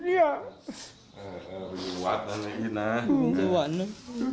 ลูกนั่นแหละที่เป็นคนผิดที่ทำแบบนี้